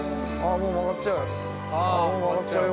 もう終わっちゃうよ